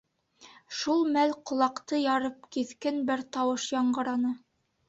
Шул мәл ҡолаҡты ярып киҫкен бер тауыш яңғыраны: